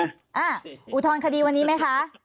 อุทธรณคดีวันนี้ไหมคะ